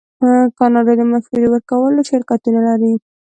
کاناډا د مشورې ورکولو شرکتونه لري.